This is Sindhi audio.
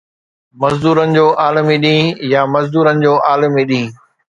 مزدورن جو عالمي ڏينهن يا مزدورن جو عالمي ڏينهن